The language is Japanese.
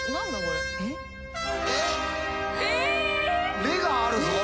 「れ」があるぞ！